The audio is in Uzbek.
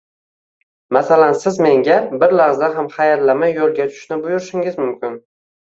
Masalan siz menga bir lahza ham hayallamay yo‘lga tushishni buyurishingiz mumkin.